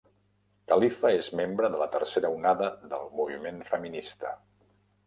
Califa és membre de la tercera onada del moviment feminista.